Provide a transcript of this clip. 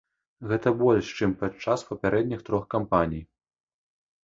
Гэта больш, чым падчас папярэдніх трох кампаній.